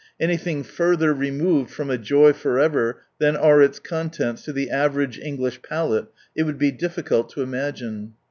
Anything further removed from "a ^| joy for ever" than are its contents to the ^| •S? iiverage English palate it would be diffrcuU H '^■ to imagine.